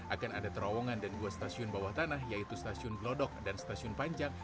akan ada terowongan dan dua stasiun bawah tanah yaitu stasiun glodok dan stasiun panjang